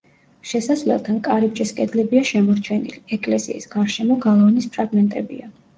შესასვლელთან კარიბჭის კედლებია შემორჩენილი, ეკლესიის გარშემო გალავნის ფრაგმენტებია.